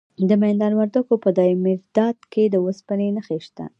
د میدان وردګو په دایمیرداد کې د وسپنې نښې شته.